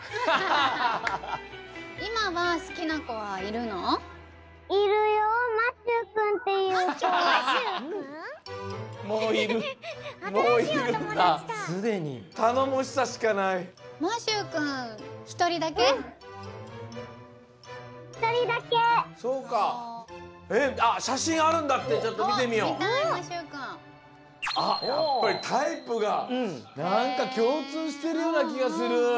あっやっぱりタイプがなんかきょうつうしてるようなきがする。